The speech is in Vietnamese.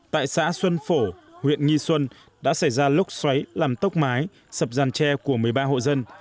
tại xã xuân phổ huyện nghi xuân đã xảy ra lốc xoáy làm tốc mái sập giàn tre của một mươi ba hộ dân